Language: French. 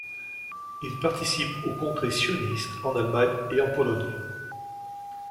Il participe au Congrès sioniste en Allemagne et en Pologne.